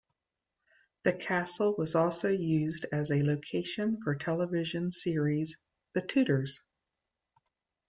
The castle was also used as a location for television series "The Tudors".